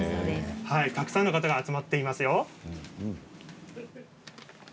たくさんの方が集まっていますよ。